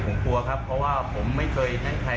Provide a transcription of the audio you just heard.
ผมกลัวครับเพราะว่าผมไม่เคยเห็นใคร